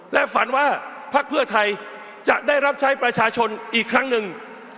และฝันว่าพักเพื่อไทยจะได้รับใช้ประชาชนอีกครั้งหนึ่ง